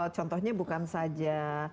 contohnya bukan saja